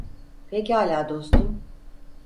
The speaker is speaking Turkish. Pekâlâ dostum.